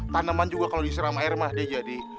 tanaman juga kalau disiram air mah dia jadi